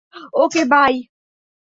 Okay, by!